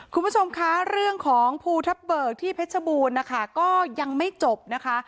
คุณผู้ชมคะเรื่องของภูทับเบิกที่เพชรบูรณ์นะคะก็ยังไม่จบนะคะ